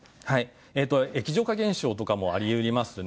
液状化現象とかもあり得ますね。